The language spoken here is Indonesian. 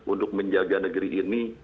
untuk menjaga negeri ini